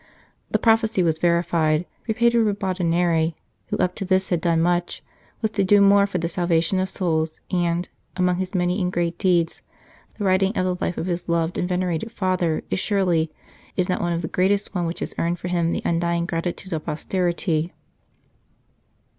The prophecy was verified, for Pedro Ribadaneira, who up to this had done much, was to do more for the salvation of souls, and, among his many and great deeds, the writing of the life of his loved and venerated Father is surely, if not one of the greatest, one which has earned for him the undying gratitude of posterity.